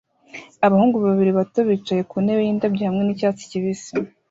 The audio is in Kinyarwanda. Abahungu babiri bato bicaye ku ntebe n'indabyo hamwe nicyatsi kibisi